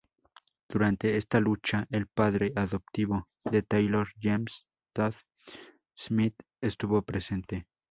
Durante esta lucha, el padre adoptivo de Taylor, James Todd Smith estuvo presente.